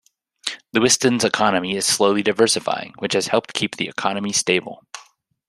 Lewiston's economy is slowly diversifying, which has helped keep the economy stable.